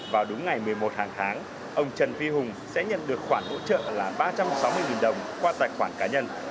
vào đúng ngày một mươi một hàng tháng ông trần phi hùng sẽ nhận được khoản hỗ trợ là ba trăm sáu mươi đồng qua tài khoản cá nhân